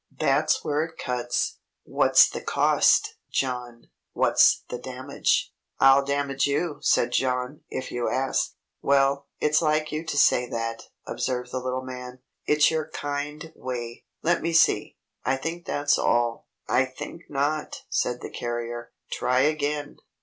That's where it cuts. What's the cost, John, what's the damage?" "I'll damage you," said John, "if you ask." "Well, it's like you to say that," observed the little man. "It's your kind way. Let me see. I think that's all." "I think not," said the carrier. "Try again."